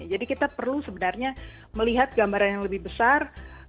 jadi kita perlu sebenarnya melihat gambaran yang lebih besar